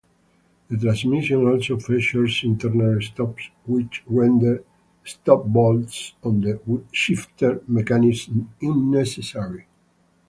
The transmission also features internal stops which render stopbolts on the shifter mechanism unnecessary.